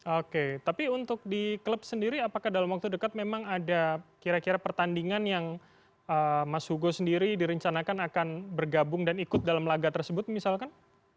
oke tapi untuk di klub sendiri apakah dalam waktu dekat memang ada kira kira pertandingan yang mas hugo sendiri direncanakan akan bergabung dan ikut dalam laga tersebut misalkan